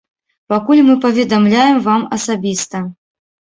Пакуль мы паведамляем вам асабіста.